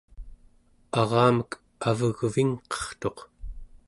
aramek avegvingqertuq